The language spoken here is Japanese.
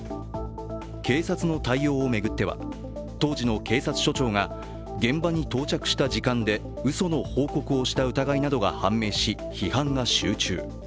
警察の対応を巡っては当時の警察署長が現場に到着した時間で嘘の報告をした疑いなどが判明し批判が集中。